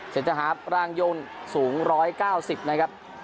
เสร็จทะหาบรางยนต์สูง๑๙๐นะครับ